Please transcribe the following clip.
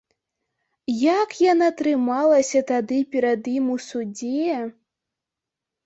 Як яна трымалася тады перад ім у судзе!